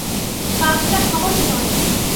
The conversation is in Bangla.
কাজটা সহজ নয়।